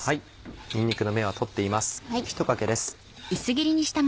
にんにくの芽は取っています。